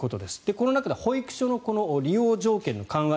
この中で保育所の利用条件の緩和